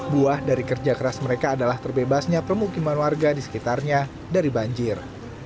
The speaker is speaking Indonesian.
buah dari kerja keras mereka adalah terbebasnya permukiman warga di sekitarnya dari banjir